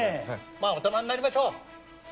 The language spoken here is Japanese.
まあ大人になりましょうお互いにね。